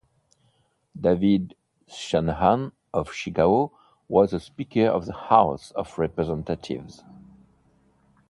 David Shanahan of Chicago was the Speaker of the House of Representatives.